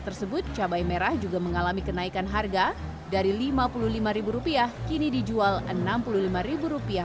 tersebut cabai merah juga mengalami kenaikan harga dari lima puluh lima rupiah kini dijual enam puluh lima rupiah